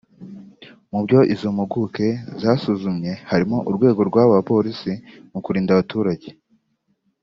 Mu byo izo mpuguke zasuzumye harimo urwego rw’abo bapolisi mu kurinda abaturage